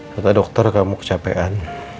kata dokter kamu kecapean